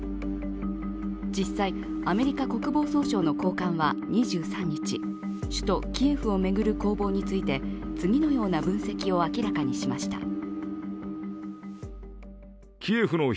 実際、アメリカ国防総省の高官は２３日首都キエフを巡る攻防について次のような分析を明らかにしました。